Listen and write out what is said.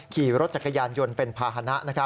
ขี่รถจักรยานยนต์เป็นภาษณะ